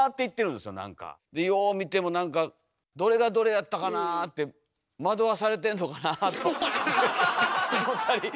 でよう見ても何か「どれがどれやったかなあ」って「惑わされてんのかな？」と思ったり。